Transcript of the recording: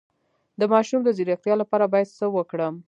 د ماشوم د ځیرکتیا لپاره باید څه وکړم؟